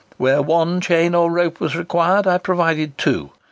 Where one chain or rope was required, I provided two.